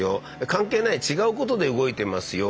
関係ない違うことで動いてますよ。